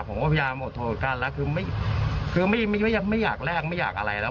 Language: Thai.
ผมก็พยายามอดโทษกันแล้วคือไม่อยากแลกไม่อยากอะไรแล้ว